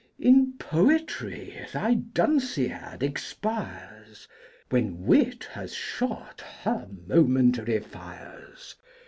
In Poetry thy Dunciad expires, When Wit has shot 'her momentary Fires.'